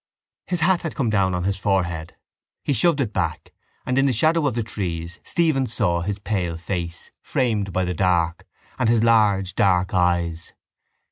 His hat had come down on his forehead. He shoved it back and in the shadow of the trees Stephen saw his pale face, framed by the dark, and his large dark eyes.